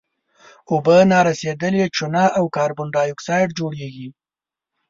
اوبه نارسیدلې چونه او کاربن ډای اکسایډ جوړیږي.